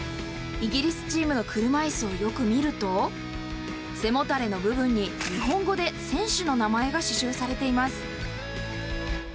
いぎりすちーむの車いすをよく見ると、背もたれの部分に日本語で選手の名前がししゅうされています。